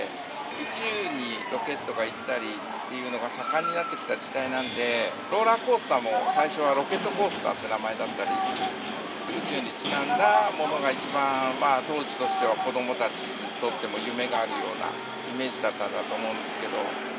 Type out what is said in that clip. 宇宙にロケットが行ったりっていうのが盛んになってきた時代なんで、ローラーコースターも最初はロケットコースターっていう名前だったり、宇宙にちなんだものが一番、当時としては子どもたちにとっても、夢があるようなイメージだったんだと思うんですけれども。